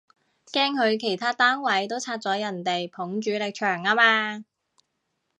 驚佢其他單位都拆咗人哋埲主力牆吖嘛